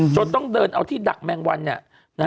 ต้องเดินเอาที่ดักแมงวัน